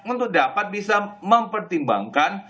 untuk dapat bisa mempertimbangkan